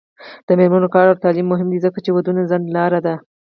د میرمنو کار او تعلیم مهم دی ځکه چې ودونو ځنډ لاره ده.